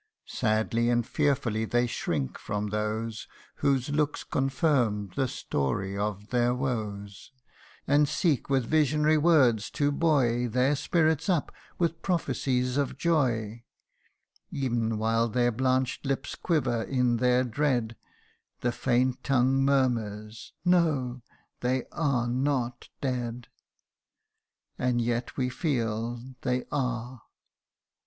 Sadly and fearfully they shrink from those Whose looks confirm the story of their woes, And seek with visionary words to buoy Their spirits up with prophecies of joy : Ev'n while their blanch 'd lips quiver in their dread, The faint tongue murmurs, " No, they are not dead !" And yet we feel they are.